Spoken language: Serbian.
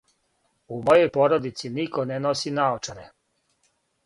У мојој продици нико не носи наочаре.